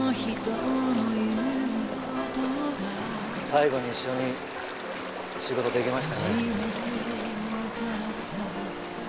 最後に一緒に仕事できましたね。